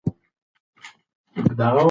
ښځې به حجاب لرې کړ او سیګرټ به څکاوه.